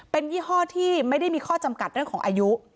เป็นยี่ห้อที่ไม่ได้มีข้อจำกัดเรื่องของอายุ